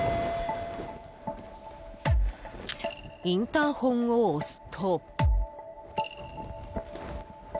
インターホンを押すと。